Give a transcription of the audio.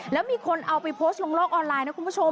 แล้วมีคนเอาไปโพสต์ลงโลกออนไลน์นะคุณผู้ชม